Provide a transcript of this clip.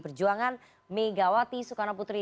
perjuangan megawati sukarno putri